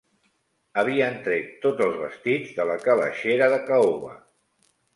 Havien tret tots els vestits de la calaixera de caoba